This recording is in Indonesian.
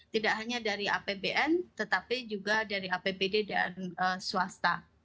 tidak hanya dari apbn tetapi juga dari apbd dan swasta